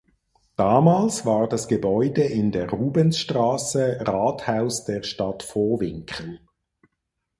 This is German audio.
Damals war das Gebäude in der "Rubensstraße" Rathaus der Stadt Vohwinkel.